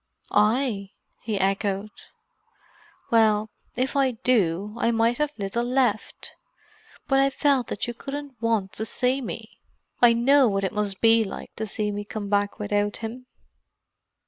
"I?" he echoed. "Well, if I do, I have mighty little left. But I felt that you couldn't want to see me. I know what it must be like to see me come back without him."